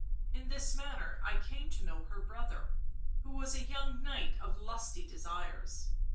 in this manner I came to know her brother, who was a young knight of lusty desires.